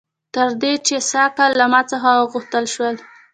تر دې چې سږ کال له ما څخه وغوښتل شول